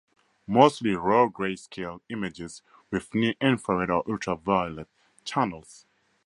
Mostly raw greyscale images with near infrared or ultraviolet channels.